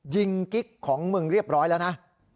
กิ๊กของมึงเรียบร้อยแล้วนะ